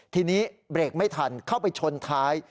ทีนี้เบรกไม่ทันเข้าไปชนท้าย